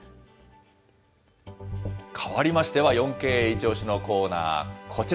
変わりましては、４Ｋイチオシ！のコーナー、こちら。